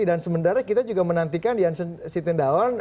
dan sementara kita juga menantikan janssen siti endawan